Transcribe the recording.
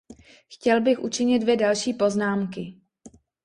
Chtěl bych učinit dvě další poznámky.